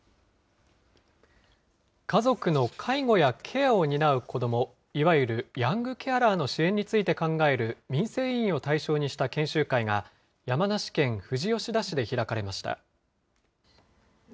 家族の介護やケアを担う子ども、いわゆるヤングケアラーの支援について考える民生委員を対象にした研修会が、山梨県富士吉田市で開かれました。